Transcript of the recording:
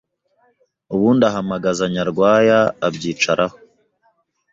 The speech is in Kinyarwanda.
ubundi Ahamagaza Nyarwaya abyicaraho.